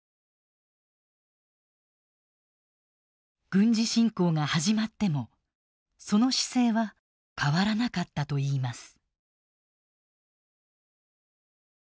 軍事侵攻が始まってもその姿勢は変わらなかったといいます。